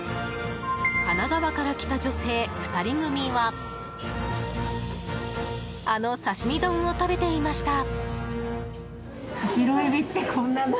神奈川から来た女性２人組はあの刺身丼を食べていました。